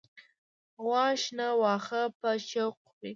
غوا شنه واخه په شوق خوری